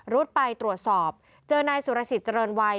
รุดไปตรวจสอบเจอนายสุรสิทธิเจริญวัย